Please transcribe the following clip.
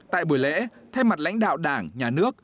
tại buổi lễ thay mặt lãnh đạo đảng nhà nước